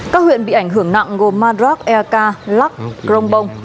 các huyện bị ảnh hưởng nặng gồm madrak erka lắc grongbong